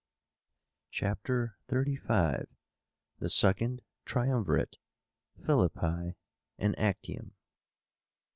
CHAPTER XXXV. THE SECOND TRIUMVIRATE. PHILIPPI AND ACTIUM.